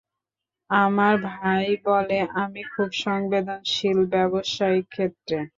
আমার ভাই বলে, আমি খুব সংবেদনশীল ব্যবসায়িক ক্ষেত্রে।